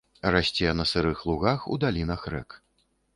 Расце на сырых лугах у далінах рэк.